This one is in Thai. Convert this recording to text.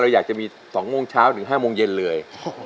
อยากจะมี๒โมงเช้าถึง๕โมงเย็นเลย